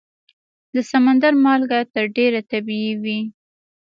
د سمندر مالګه تر ډېره طبیعي وي.